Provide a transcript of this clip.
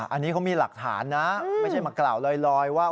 อันนี้เขามีหลักฐานนะไม่ใช่มากล่าวลอยว่า